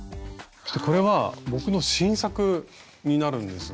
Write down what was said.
これは僕の新作になるんですが。